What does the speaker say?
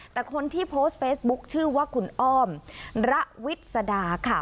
แต่คนที่โพสต์เฟซบุ๊คชื่อว่าคุณอ้อมระวิสดาค่ะ